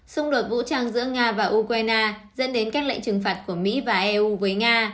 xung đột vũ trang giữa nga và ukraine dẫn đến các lệnh trừng phạt của mỹ và eu với nga